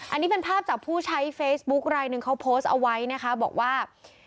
อันนี้เป็นภาพจากผู้ใช้เฟซบุ๊คลายหนึ่งเขาโพสต์เอาไว้นะคะบอกว่า